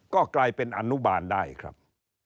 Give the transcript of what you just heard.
ก็กลายเป็นอนุบาลได้ครับ